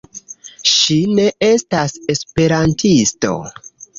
Ŝi ne estas esperantisto.